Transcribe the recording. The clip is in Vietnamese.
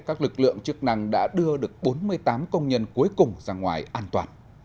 các lực lượng chức năng đã đưa được bốn mươi tám công nhân cuối cùng ra ngoài an toàn